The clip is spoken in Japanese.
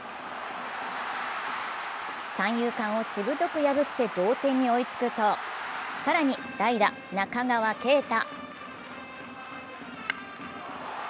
三遊間をしぶとく破って同点に追いつくと更に代打・中川圭太。